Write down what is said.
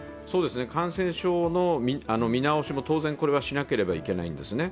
感染症の見直しも当然しなければいけないんですね。